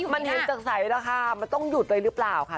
มันเห็นจากใสราคามันต้องหยุดเลยหรือเปล่าค่ะ